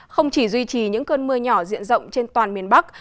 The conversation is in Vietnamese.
không chỉ duy trì những cơn mưa nhỏ diện rộng trên toàn miền bắc